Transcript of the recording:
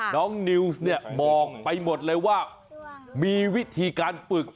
นิวส์เนี่ยมองไปหมดเลยว่ามีวิธีการฝึก